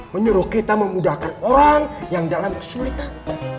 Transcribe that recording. menyuruh kita memudahkan orang yang dalam kesulitan